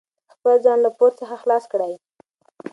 خپل ځان له پور څخه خلاص کړئ.